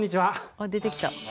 あっ出てきた。